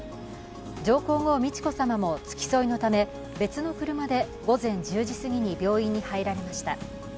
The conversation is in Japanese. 上皇后美智子さまも付き添いのため、別の車で午前１０時すぎに病院に入られました。